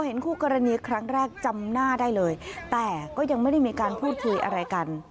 คู่กรณีครั้งแรกจำหน้าได้เลยแต่ก็ยังไม่ได้มีการพูดคุยอะไรกัน